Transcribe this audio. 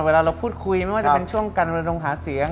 เวลาเราพูดคุยไม่ว่าจะเป็นช่วงการรณรงหาเสียง